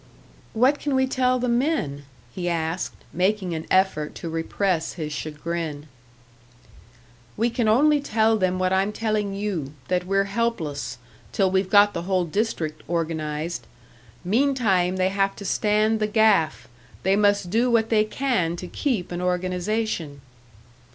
"What can we tell the men?" he asked, making an effort to repress his chagrin. "We can only tell them what I'm telling you that we're helpless, till we've got the whole district organised. Meantime, they have to stand the gaff; they must do what they can to keep an organisation."